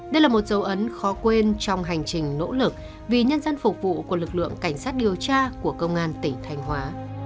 đây là một dấu ấn khó quên trong hành trình nỗ lực vì nhân dân phục vụ của lực lượng cảnh sát điều tra của công an tỉnh thanh hóa